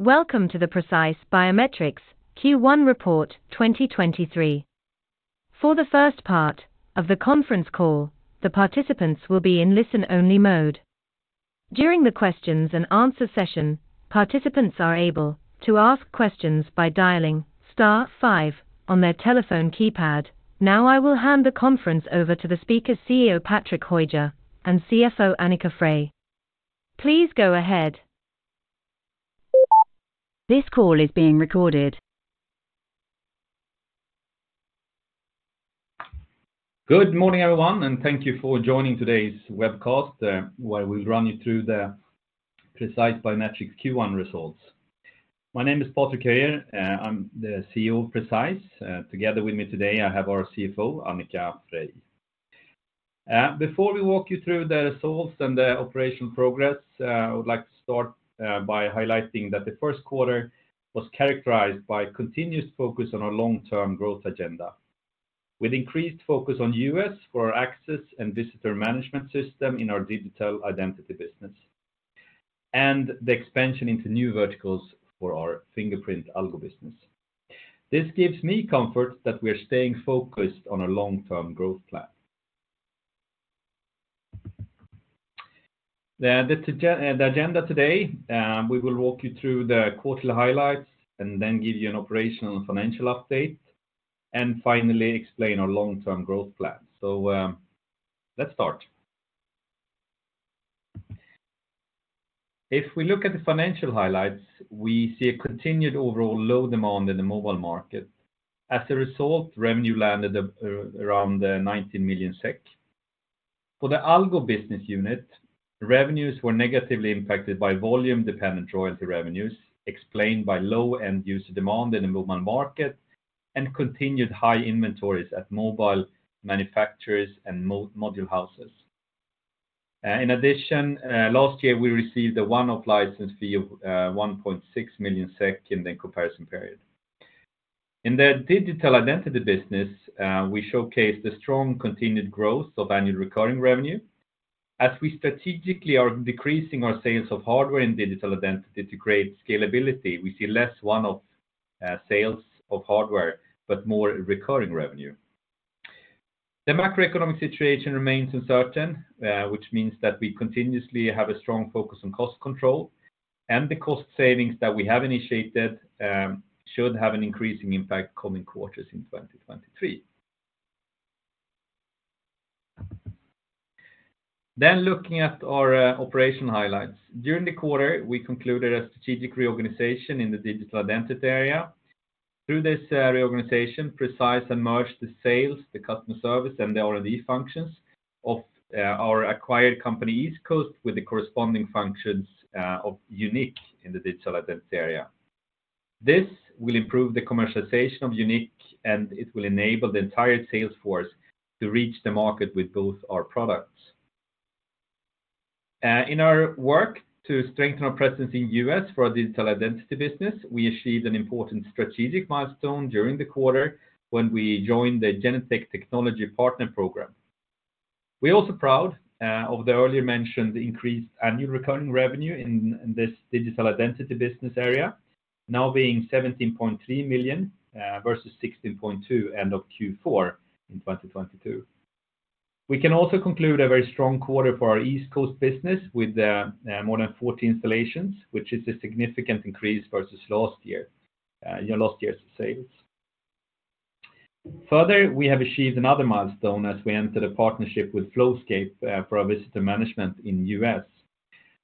Welcome to the Precise Biometrics Q1 report 2023. For the first part of the conference call, the participants will be in listen-only mode. During the questions and answer session, participants are able to ask questions by dialing star five on their telephone keypad. I will hand the conference over to the speakers CEO, Patrick Höijer, and CFO Annika Freij. Please go ahead. This call is being recorded. Good morning, everyone, and thank you for joining today's webcast, where we'll run you through the Precise Biometrics Q1 results. My name is Patrick Höijer. I'm the CEO of Precise. Together with me today I have our CFO, Annika Freij. Before we walk you through the results and the operational progress, I would like to start by highlighting that the first quarter was characterized by continuous focus on our long-term growth agenda. With increased focus on U.S. for our access and visitor management system in our Digital Identity business, and the expansion into new verticals for our Fingerprint Algo business. This gives me comfort that we're staying focused on our long-term growth plan. The agenda today, we will walk you through the quarterly highlights and then give you an operational and financial update, and finally explain our long-term growth plan. Let's start. If we look at the financial highlights, we see a continued overall low demand in the mobile market. As a result, revenue landed at around 19 million SEK. For the Algo business unit, revenues were negatively impacted by volume-dependent royalty revenues, explained by low end user demand in the mobile market and continued high inventories at mobile manufacturers and module houses. In addition, last year, we received a one-off license fee of 1.6 million SEK in the comparison period. In the Digital Identity business, we showcased a strong continued growth of annual recurring revenue. As we strategically are decreasing our sales of hardware in Digital Identity to create scalability, we see less one-off sales of hardware, but more recurring revenue. The macroeconomic situation remains uncertain, which means that we continuously have a strong focus on cost control. The cost savings that we have initiated should have an increasing impact coming quarters in 2023. Looking at our operation highlights. During the quarter, we concluded a strategic reorganization in the Digital Identity area. Through this reorganization, Precise merged the sales, the customer service, and the R&D functions of our acquired company EastCoast Solutions with the corresponding functions of YOUNiQ in the Digital Identity area. This will improve the commercialization of YOUNiQ. It will enable the entire sales force to reach the market with both our products. In our work to strengthen our presence in U.S. for our Digital Identity business, we achieved an important strategic milestone during the quarter when we joined the Genetec Technology Partner program. We're also proud of the earlier mentioned increased annual recurring revenue in this Digital Identity business area, now being 17.3 million versus 16.2 million end of Q4 in 2022. We can also conclude a very strong quarter for our EastCoast Solutions business with more than 40 installations, which is a significant increase versus last year, you know, last year's sales. Further, we have achieved another milestone as we entered a partnership with Flowscape for our visitor management in the U.S.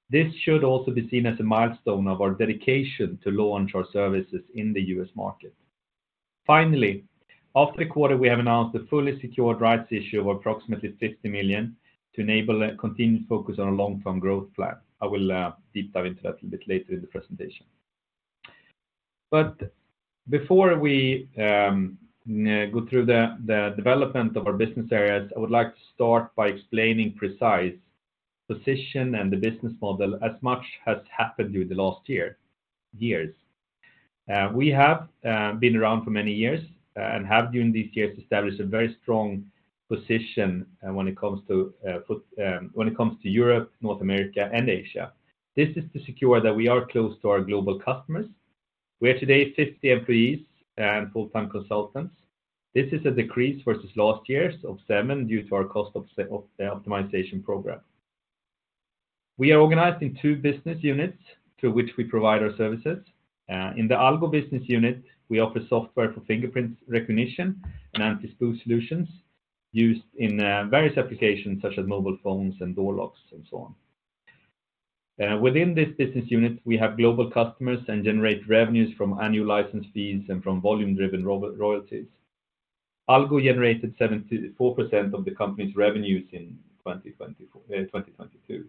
This should also be seen as a milestone of our dedication to launch our services in the U.S. market. Finally, after the quarter, we have announced a fully secured rights issue of approximately 50 million to enable a continued focus on our long-term growth plan. I will deep dive into that a little bit later in the presentation. Before we go through the development of our business areas, I would like to start by explaining Precise position and the business model as much has happened during the last years. We have been around for many years and have during these years established a very strong position when it comes to Europe, North America and Asia. This is to secure that we are close to our global customers. We are today 50 employees and full-time consultants. This is a decrease versus last year's of seven due to our cost optimization program. We are organized in two business units to which we provide our services. In the Algo business unit, we offer software for fingerprint recognition and anti-spoof solutions used in various applications such as mobile phones and door locks and so on. Within this business unit, we have global customers and generate revenues from annual license fees and from volume-driven royalties. Algo generated 74% of the company's revenues in 2022.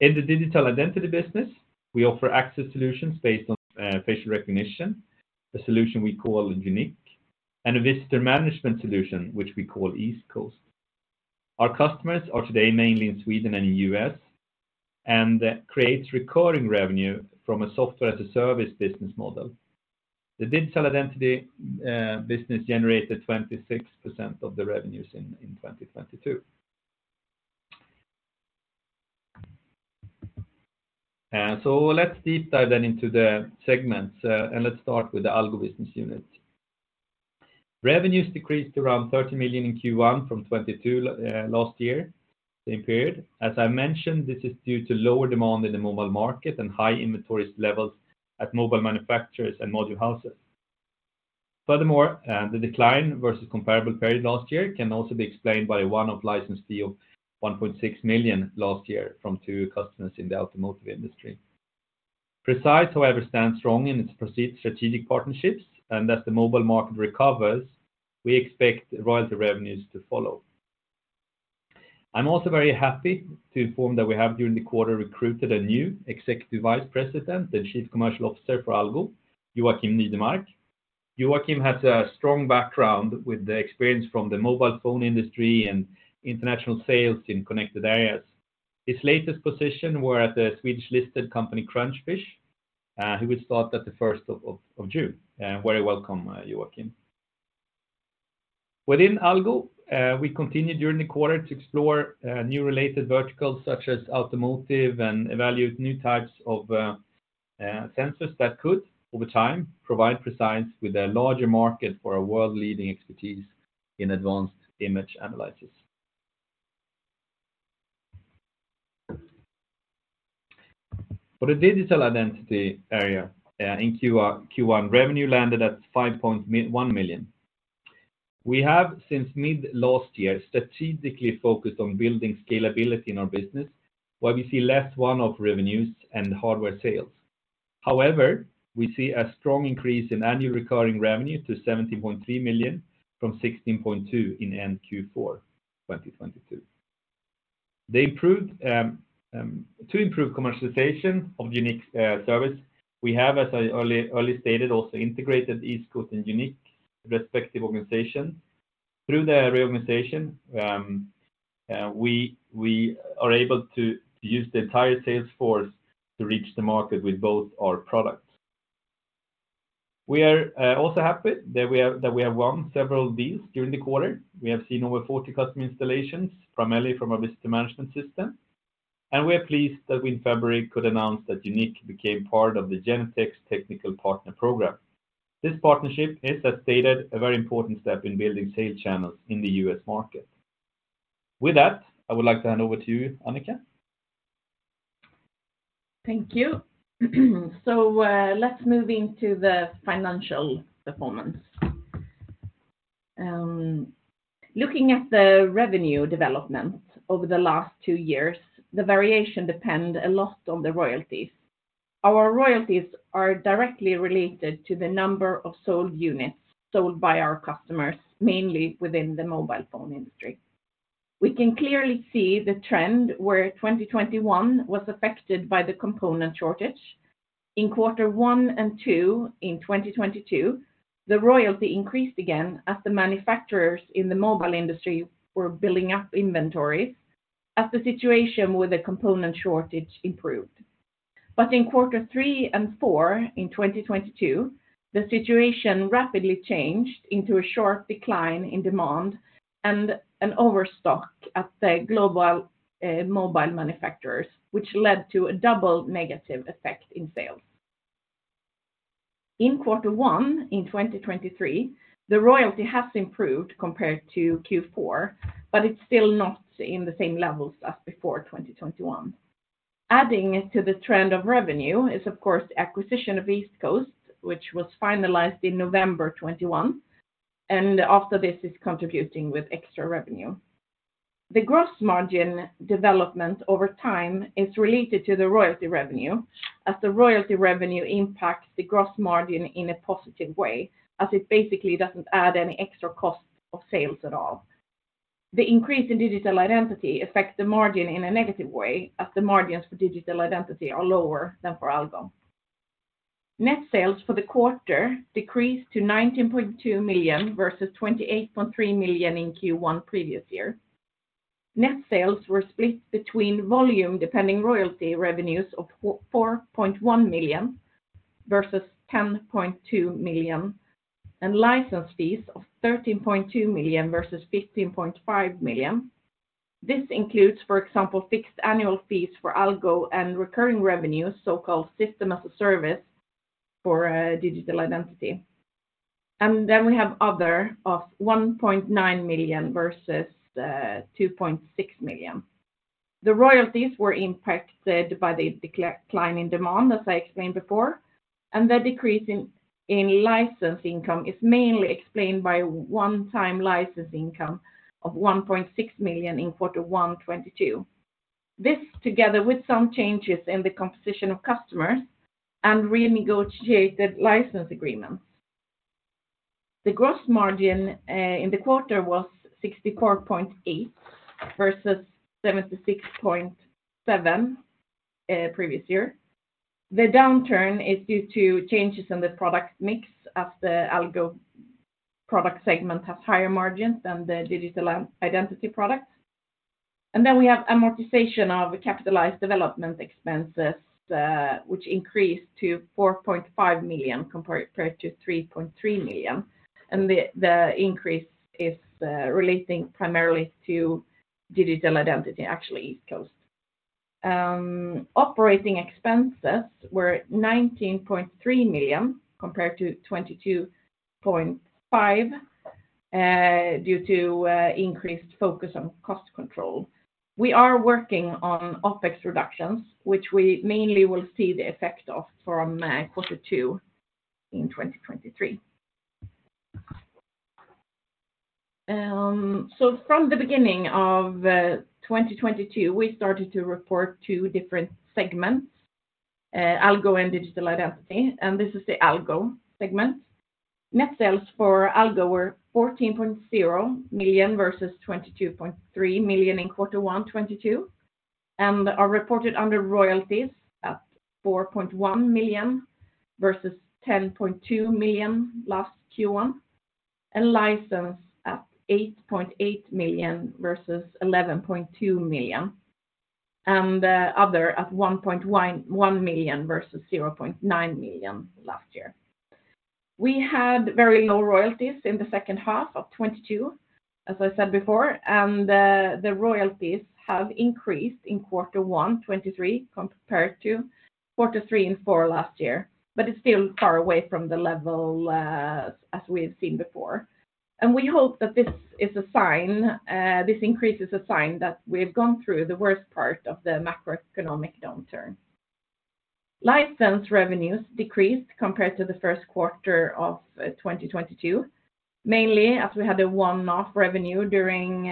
In the Digital Identity business, we offer access solutions based on facial recognition, a solution we call YOUNiQ, and a visitor management solution which we call EastCoast Solutions. Our customers are today mainly in Sweden and in the U.S., That creates recurring revenue from a software to service business model. The Digital Identity business generated 26% of the revenues in 2022. Let's deep dive then into the segments, and let's start with the Algo business unit. Revenues decreased around 30 million in Q1 from 22 last year, same period. As I mentioned, this is due to lower demand in the mobile market and high inventories levels at mobile manufacturers and module houses. Furthermore, the decline versus comparable period last year can also be explained by a one-off license fee of 1.6 million last year from two customers in the automotive industry. Precise, however, stands strong in its strategic partnerships, and as the mobile market recovers, we expect royalty revenues to follow. I'm also very happy to inform that we have during the quarter recruited a new Executive Vice President and Chief Commercial Officer for Algo, Joakim Nydemark. Joakim has a strong background with the experience from the mobile phone industry and international sales in connected areas. His latest position were at the Swedish-listed company, Crunchfish, he will start at the first of June. Very welcome, Joakim. Within Algo, we continued during the quarter to explore new related verticals such as automotive and evaluate new types of sensors that could, over time, provide Precise with a larger market for our world-leading expertise in advanced image analysis. For the Digital Identity area, in Q1, revenue landed at 5.1 million. We have, since mid last year, strategically focused on building scalability in our business, where we see less one-off revenues and hardware sales. We see a strong increase in annual recurring revenue to 17.3 million from 16.2 million in end Q4 2022. They improved. To improve commercialization of YOUNiQ's service, we have, as I early stated, also integrated EastCoast Solutions and YOUNiQ respective organization. Through the reorganization, we are able to use the entire sales force to reach the market with both our products. We are also happy that we have won several deals during the quarter. We have seen over 40 customer installations, primarily from our visitor management system. We are pleased that we, in February, could announce that YOUNiQ became part of the Genetec Technology Partner Program. This partnership is, as stated, a very important step in building sales channels in the U.S. market. With that, I would like to hand over to you, Annika. Thank you. Let's move into the financial performance. Looking at the revenue development over the last two years, the variation depend a lot on the royalties. Our royalties are directly related to the number of sold units sold by our customers, mainly within the mobile phone industry. We can clearly see the trend where 2021 was affected by the component shortage. In quarter one and two in 2022, the royalty increased again as the manufacturers in the mobile industry were building up inventories as the situation with the component shortage improved. In quarter three and four in 2022, the situation rapidly changed into a sharp decline in demand and an overstock at the global mobile manufacturers, which led to a double negative effect in sales. In Q1 in 2023, the royalty has improved compared to Q4, but it's still not in the same levels as before 2021. Adding to the trend of revenue is, of course, acquisition of EastCoast Solutions, which was finalized in November 2021, and after this is contributing with extra revenue. The gross margin development over time is related to the royalty revenue, as the royalty revenue impacts the gross margin in a positive way, as it basically doesn't add any extra cost of sales at all. The increase in Digital Identity affects the margin in a negative way, as the margins for Digital Identity are lower than for Algo. Net sales for the quarter decreased to 19.2 million, versus 28.3 million in Q1 previous year. Net sales were split between volume-depending royalty revenues of 4.1 million, versus 10.2 million, and license fees of 13.2 million, versus 15.5 million. This includes, for example, fixed annual fees for Algo and recurring revenues, so-called system as a service for Digital Identity. We have other of 1.9 million, versus 2.6 million. The royalties were impacted by the decline in demand, as I explained before, and the decrease in license income is mainly explained by one-time license income of 1.6 million in Q1 2022. This together with some changes in the composition of customers and renegotiated license agreements. The gross margin in the quarter was 64.8%, versus 76.7% previous year. The downturn is due to changes in the product mix, as the Algo product segment has higher margins than the Digital Identity products. Then we have amortization of capitalized development expenses, which increased to 4.5 million compared to 3.3 million. The increase is relating primarily to Digital Identity, actually EastCoast Solutions. Operating expenses were 19.3 million compared to 22.5 million, due to increased focus on cost control. We are working on OpEx reductions, which we mainly will see the effect of from quarter two in 2023. From the beginning of 2022, we started to report two different segments, Algo and Digital Identity. This is the Algo segment. Net sales for Algo were 14.0 million versus 22.3 million in quarter one 2022, are reported under royalties at 4.1 million versus 10.2 million last Q1, license at 8.8 million versus 11.2 million, other at 1.1 million versus 0.9 million last year. We had very low royalties in the second half of 2022, as I said before, the royalties have increased in quarter one 2023 compared to quarter three and four last year, but it's still far away from the level as we had seen before. We hope that this is a sign, this increase is a sign that we've gone through the worst part of the macroeconomic downturn. License revenues decreased compared to the first quarter of 2022, mainly as we had a one-off revenue during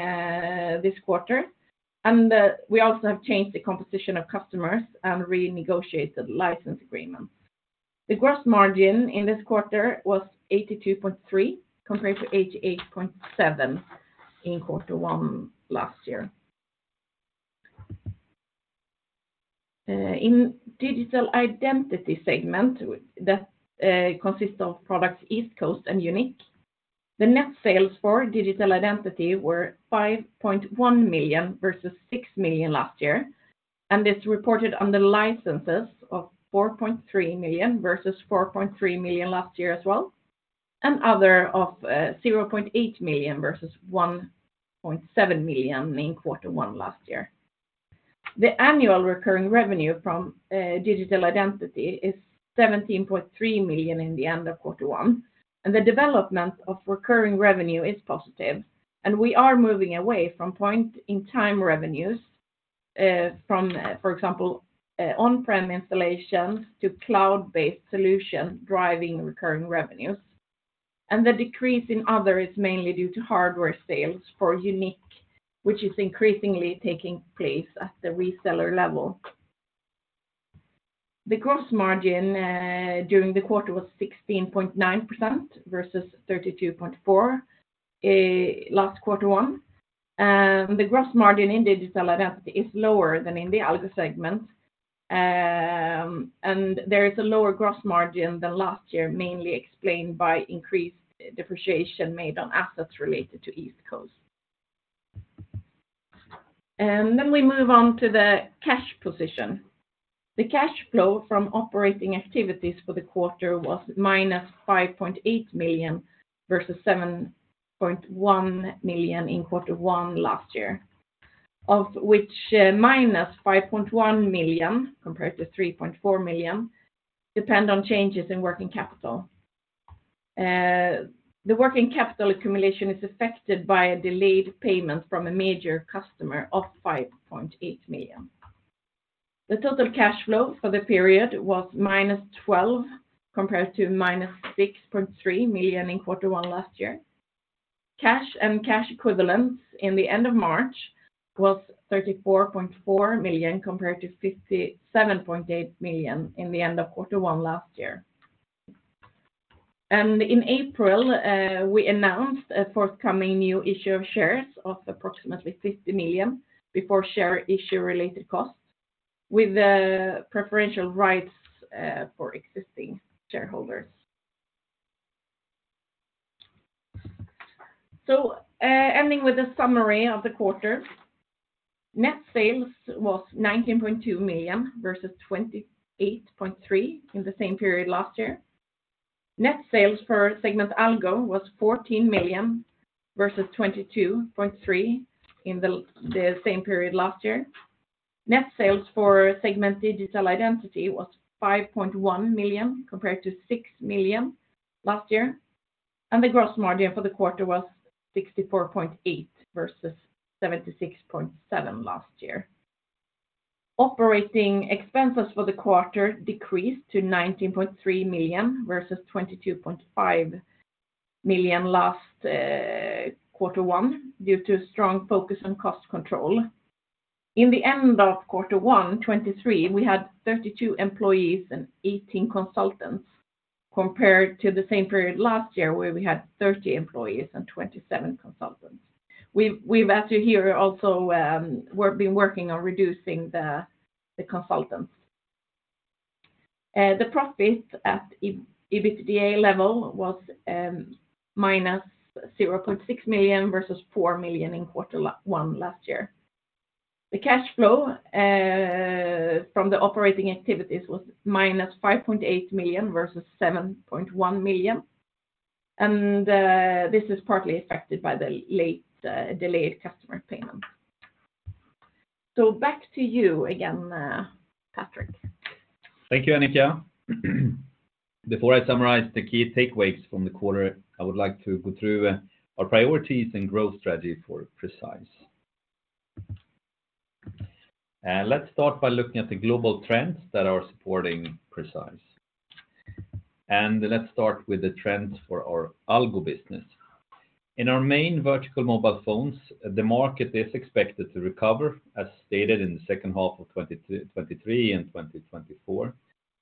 this quarter. We also have changed the composition of customers and renegotiated the license agreement. The gross margin in this quarter was 82.3%, compared to 88.7% in quarter one last year. In Digital Identity segment that consists of products EastCoast Solutions and YOUNiQ, the net sales for Digital Identity were 5.1 million versus 6 million last year, and it's reported under licenses of 4.3 million versus 4.3 million last year as well, and other of 0.8 million versus 1.7 million in quarter one last year. The annual recurring revenue from Digital Identity is 17.3 million in the end of quarter one. The development of recurring revenue is positive, and we are moving away from point-in-time revenues, from, for example, on-prem installations to cloud-based solution driving recurring revenues. The decrease in other is mainly due to hardware sales for YOUNiQ, which is increasingly taking place at the reseller level. The gross margin during the quarter was 16.9% versus 32.4% last quarter one. The gross margin in Digital Identity is lower than in the Algo segment, and there is a lower gross margin than last year, mainly explained by increased depreciation made on assets related to EastCoast Solutions. We move on to the cash position. The cash flow from operating activities for the quarter was -5.8 million, versus 7.1 million in quarter one last year, of which -5.1 million, compared to 3.4 million, depend on changes in working capital. The working capital accumulation is affected by a delayed payment from a major customer of 5.8 million. The total cash flow for the period was minus 12 million, compared to minus 6.3 million in quarter one last year. Cash and cash equivalents in the end of March was 34.4 million compared to 57.8 million in the end of quarter one last year. In April, we announced a forthcoming new issue of shares of approximately 50 million before share issue related costs with preferential rights for existing shareholders. Ending with a summary of the quarter, net sales was 19.2 million versus 28.3 million in the same period last year. Net sales for segment Algo was 14 million versus 22.3 million in the same period last year. Net sales for segment Digital Identity was 5.1 million compared to 6 million last year, and the gross margin for the quarter was 64.8% versus 76.7% last year. Operating expenses for the quarter decreased to 19.3 million versus 22.5 million last quarter one due to strong focus on cost control. In the end of quarter one 2023, we had 32 employees and 18 consultants compared to the same period last year where we had 30 employees and 27 consultants. We've as you hear also, we've been working on reducing the consultants. The profit at EBITDA level was minus 0.6 million versus 4 million in quarter one last year. The cash flow from the operating activities was minus 5.8 million versus 7.1 million. This is partly affected by the late, delayed customer payment. Back to you again, Patrik. Thank you, Annika. Before I summarize the key takeaways from the quarter, I would like to go through our priorities and growth strategy for Precise. Let's start by looking at the global trends that are supporting Precise. Let's start with the trends for our Algo business. In our main vertical mobile phones, the market is expected to recover, as stated in the H2 of 2023 and 2024.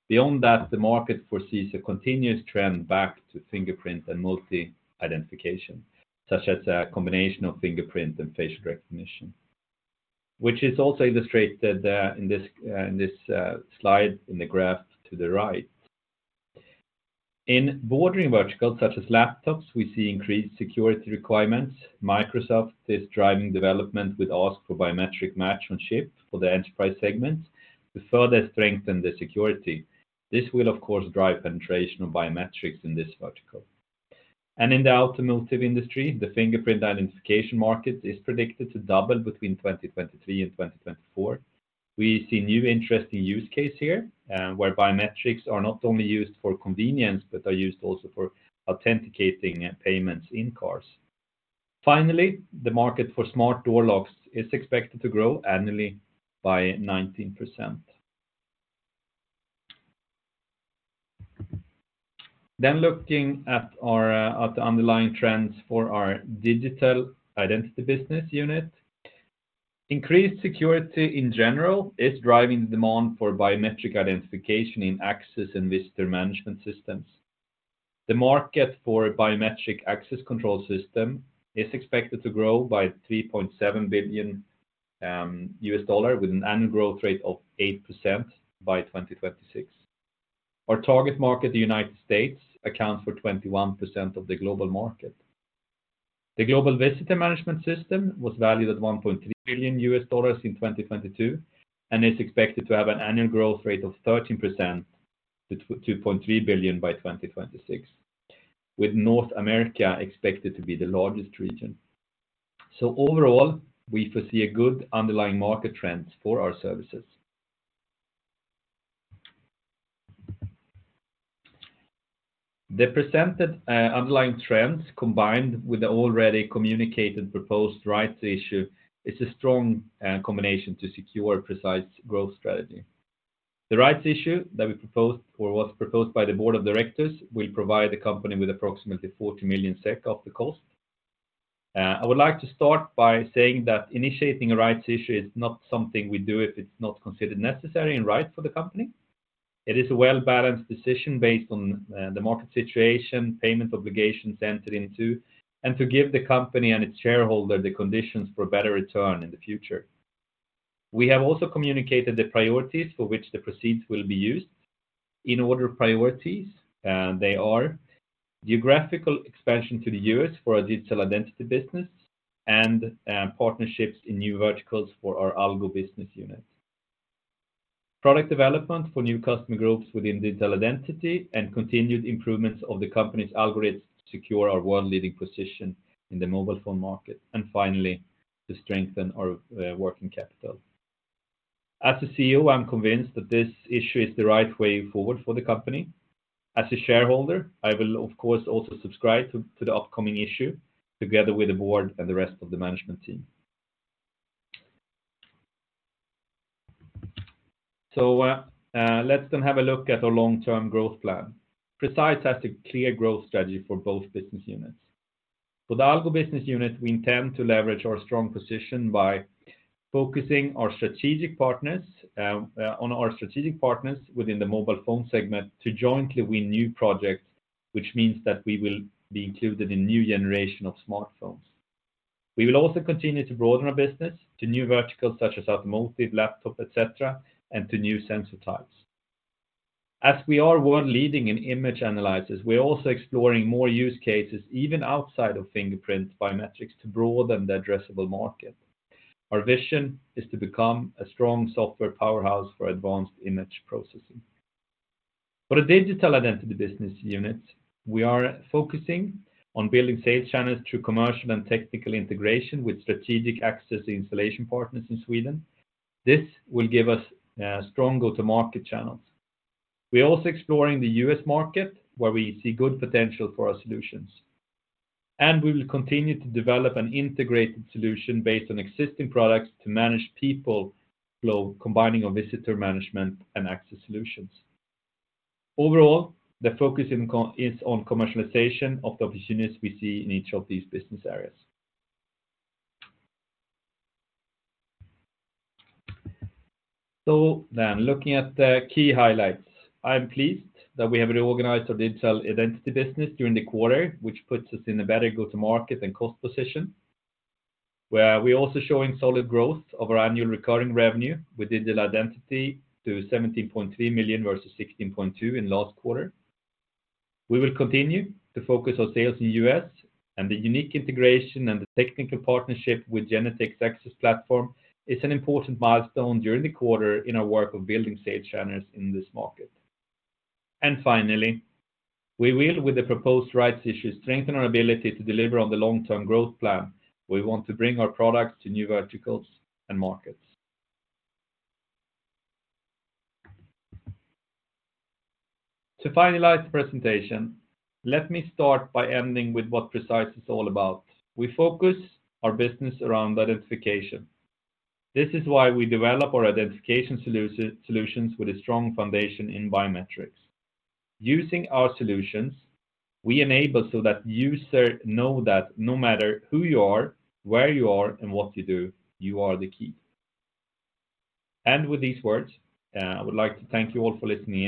Beyond that, the market foresees a continuous trend back to fingerprint and multi-identification, such as a combination of fingerprint and facial recognition, which is also illustrated in this slide in the graph to the right. In bordering verticals such as laptops, we see increased security requirements. Microsoft is driving development with ask for biometric Match-on-Chip for the enterprise segment to further strengthen the security. This will of course drive penetration of biometrics in this vertical. In the automotive industry, the fingerprint identification market is predicted to double between 2023 and 2024. We see new interesting use case here, where biometrics are not only used for convenience, but are used also for authenticating payments in cars. Finally, the market for smart door locks is expected to grow annually by 19%. Looking at our, at the underlying trends for our Digital Identity business unit. Increased security in general is driving the demand for biometric identification in access and visitor management systems. The market for biometric access control system is expected to grow by $3.7 billion with an annual growth rate of 8% by 2026. Our target market, the United States, accounts for 21% of the global market. The global visitor management system was valued at $1.3 billion in 2022 and is expected to have an annual growth rate of 13% to $2.3 billion by 2026, with North America expected to be the largest region. Overall, we foresee a good underlying market trends for our services. The presented underlying trends combined with the already communicated proposed rights issue is a strong combination to secure Precise growth strategy. The rights issue that we proposed or was proposed by the board of directors will provide the company with approximately 40 million SEK of the cost. I would like to start by saying that initiating a rights issue is not something we do if it's not considered necessary and right for the company. It is a well-balanced decision based on the market situation, payment obligations entered into, and to give the company and its shareholder the conditions for better return in the future. We have also communicated the priorities for which the proceeds will be used. In order of priorities, they are geographical expansion to the U.S. for our Digital Identity business and partnerships in new verticals for our Algo business unit. Product development for new customer groups within Digital Identity and continued improvements of the company's algorithms to secure our world leading position in the mobile phone market. Finally, to strengthen our working capital. As the CEO, I'm convinced that this issue is the right way forward for the company. As a shareholder, I will of course also subscribe to the upcoming issue together with the board and the rest of the management team. Let's then have a look at our long-term growth plan. Precise has a clear growth strategy for both business units. For the Algo business unit, we intend to leverage our strong position by focusing on our strategic partners within the mobile phone segment to jointly win new projects, which means that we will be included in new generation of smartphones. We will also continue to broaden our business to new verticals such as automotive, laptop, et cetera, and to new sensor types. As we are world leading in image analysis, we are also exploring more use cases even outside of fingerprint biometrics to broaden the addressable market. Our vision is to become a strong software powerhouse for advanced image processing. For the Digital Identity business unit, we are focusing on building sales channels through commercial and technical integration with strategic access installation partners in Sweden. This will give us strong go-to-market channels. We are also exploring the US market where we see good potential for our solutions. We will continue to develop an integrated solution based on existing products to manage people flow, combining our visitor management and access solutions. Overall, the focus is on commercialization of the opportunities we see in each of these business areas. Looking at the key highlights, I am pleased that we have reorganized our Digital Identity business during the quarter, which puts us in a better go-to-market and cost position. We're also showing solid growth of our annual recurring revenue with Digital Identity to 17.3 million versus 16.2 million in last quarter. We will continue to focus on sales in the U.S. The unique integration and the technical partnership with Genetec's access platform is an important milestone during the quarter in our work of building sales channels in this market. Finally, we will, with the proposed rights issue, strengthen our ability to deliver on the long-term growth plan. We want to bring our products to new verticals and markets. To finalize the presentation, let me start by ending with what Precise is all about. We focus our business around identification. This is why we develop our identification solutions with a strong foundation in biometrics. Using our solutions, we enable so that user know that no matter who you are, where you are, and what you do, you are the key. With these words, I would like to thank you all for listening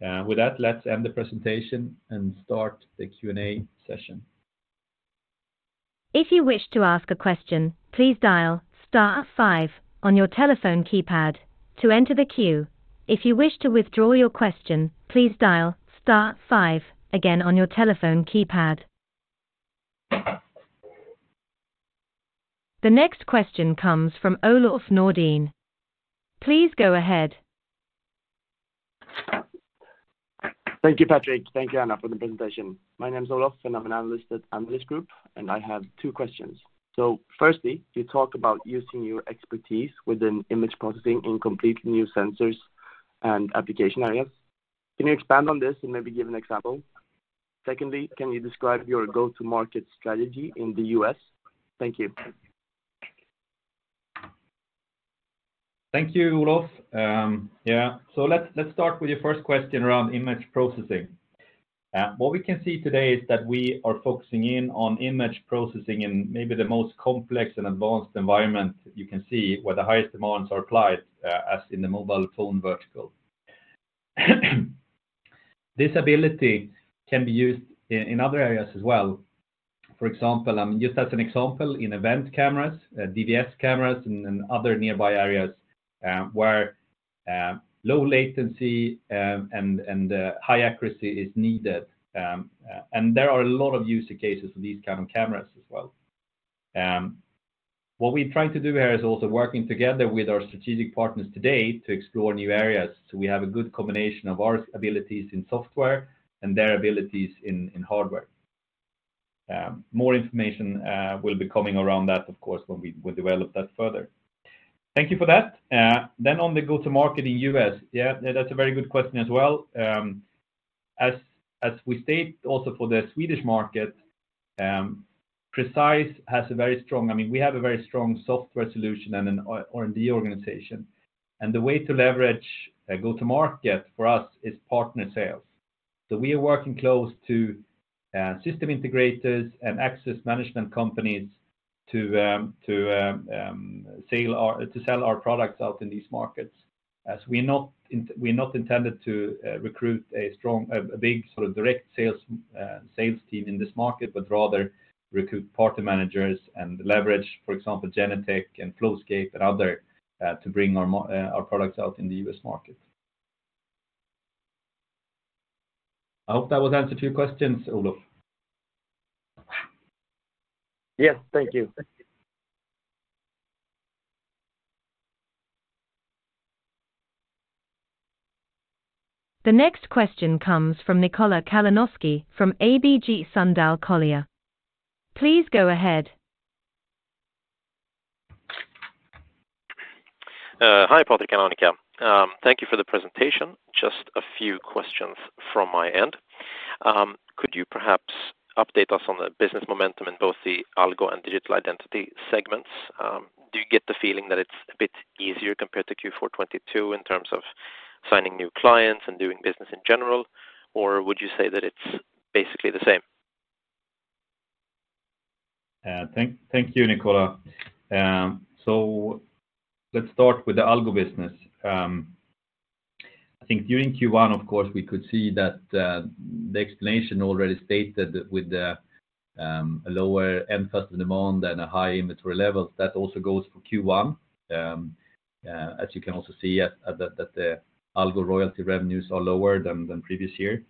in. With that, let's end the presentation and start the Q&A session. If you wish to ask a question, please dial star five on your telephone keypad to enter the queue. If you wish to withdraw your question, please dial star five again on your telephone keypad. The next question comes from Olof Nordin. Please go ahead. Thank you, Patrick. Thank you, Anna, for the presentation. My name is Olof, and I'm an analyst at Analyst Group, and I have two questions. Firstly, you talked about using your expertise within image processing in completely new sensors and application areas. Can you expand on this and maybe give an example? Secondly, can you describe your go-to-market strategy in the U.S.? Thank you. Thank you, Olof. Let's start with your first question around image processing. What we can see today is that we are focusing in on image processing in maybe the most complex and advanced environment you can see where the highest demands are applied, as in the mobile phone vertical. This ability can be used in other areas as well. For example, just as an example, in event cameras, DVS cameras, and other nearby areas, where low latency and high accuracy is needed. There are a lot of user cases for these kind of cameras as well. What we're trying to do here is also working together with our strategic partners today to explore new areas. We have a good combination of our abilities in software and their abilities in hardware. More information will be coming around that, of course, when we develop that further. Thank you for that. On the go-to-market in U.S., yeah, that's a very good question as well. As we state also for the Swedish market, Precise has a very strong I mean, we have a very strong software solution and an R&D organization. The way to leverage a go-to-market for us is partner sales. We are working close to system integrators and access management companies to sell our products out in these markets. We're not intended to recruit a strong, a big sort of direct sales team in this market, but rather recruit partner managers and leverage, for example, Genetec and Flowscape and other to bring our products out in the U.S. market. I hope that will answer your questions, Olof. Yes. Thank you. The next question comes from Nikola Kalanoski from ABG Sundal Collier. Please go ahead. Hi, Patrick and Annika. Thank you for the presentation. Just a few questions from my end. Could you perhaps update us on the business momentum in both the Algo and Digital Identity segments? Do you get the feeling that it's a bit easier compared to Q4 2022 in terms of signing new clients and doing business in general, or would you say that it's basically the same? Thank you, Nikola. Let's start with the Algo business. I think during Q1, of course, we could see that the explanation already stated with the a lower emphasis demand and a high inventory levels, that also goes for Q1. As you can also see at that the Algo royalty revenues are lower than previous year.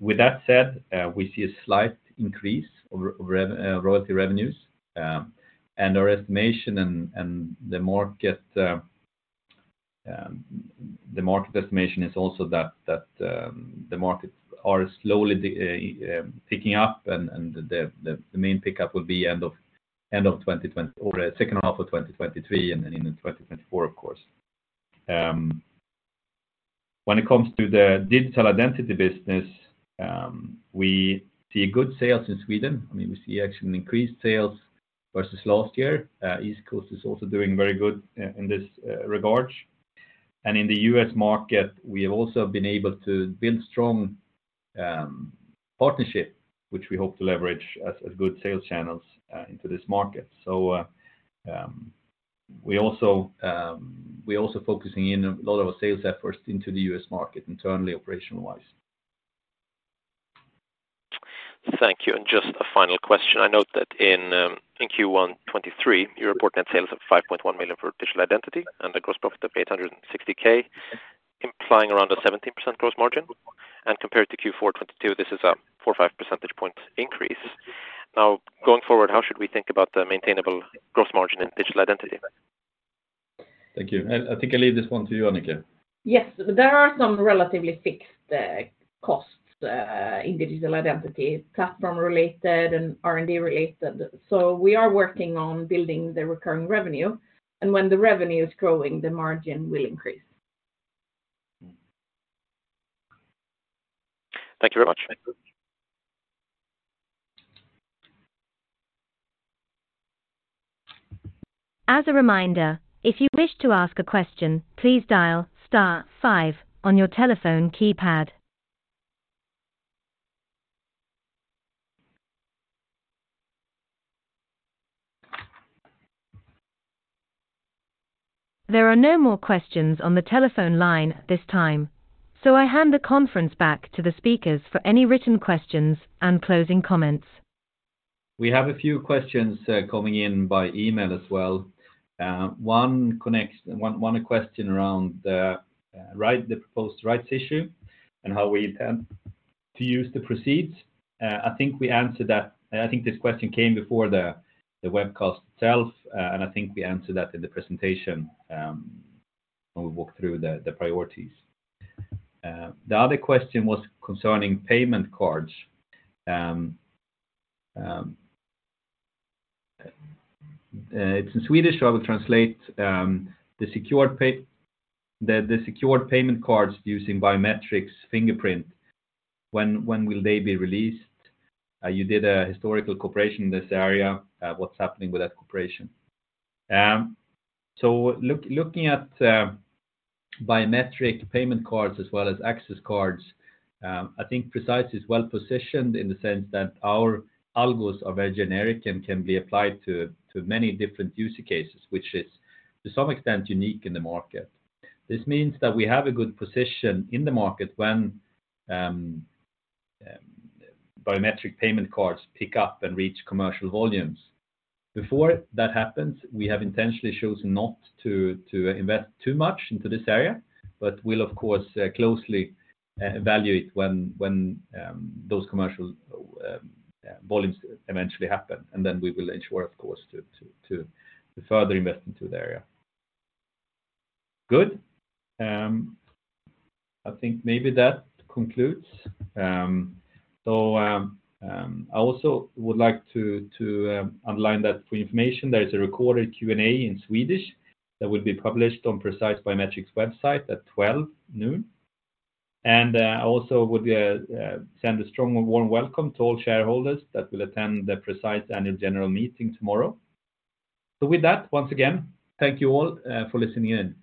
With that said, we see a slight increase of royalty revenues. Our estimation and the market the market estimation is also that the markets are slowly picking up and the main pickup will be second half of 2023 and then into 2024, of course. When it comes to the Digital Identity business, we see good sales in Sweden. I mean, we see actually increased sales versus last year. EastCoast Solutions is also doing very good in this regards. In the U.S. market, we have also been able to build strong partnership, which we hope to leverage as good sales channels into this market. We're also focusing in a lot of our sales efforts into the U.S. market internally, operation-wise. Thank you. Just a final question. I note that in Q1 2023, you report net sales of 5.1 million for Digital Identity and a gross profit of 860k. Flying around a 17% gross margin compared to Q4 2022, this is a 4 or 5 percentage point increase. Going forward, how should we think about the maintainable gross margin in Digital Identity? Thank you. I think I leave this one to you, Annika. Yes. There are some relatively fixed costs in Digital Identity, platform related and R&D related. We are working on building the recurring revenue, and when the revenue is growing, the margin will increase. Thank you very much. As a reminder, if you wish to ask a question, please dial star five on your telephone keypad. There are no more questions on the telephone line at this time, I hand the conference back to the speakers for any written questions and closing comments. We have a few questions coming in by email as well. One question around the right, the proposed rights issue and how we intend to use the proceeds. I think we answered that. I think this question came before the webcast itself, and I think we answered that in the presentation when we walked through the priorities. The other question was concerning payment cards. It's in Swedish, so I will translate. The secured payment cards using biometrics fingerprint, when will they be released? You did a historical cooperation in this area. What's happening with that cooperation? Looking at biometric payment cards as well as access cards, I think Precise is well-positioned in the sense that our algos are very generic and can be applied to many different use cases, which is, to some extent, unique in the market. This means that we have a good position in the market when biometric payment cards pick up and reach commercial volumes. Before that happens, we have intentionally chosen not to invest too much into this area, but we'll of course, closely evaluate when those commercial volumes eventually happen, and then we will ensure, of course, to further invest into the area. Good. I think maybe that concludes. I also would like to underline that for your information, there is a recorded Q&A in Swedish that will be published on Precise Biometrics website at 12 noon. I also would send a strong and warm welcome to all shareholders that will attend the Precise Annual General Meeting tomorrow. With that, once again, thank you all for listening in. Thank you.